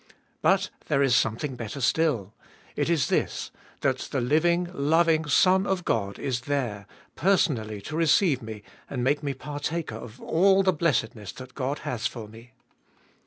But there is something better still : it is this, that the living, loving, Son of God is there, personally to receive me and make me partaker of all the blessedness that God has for me.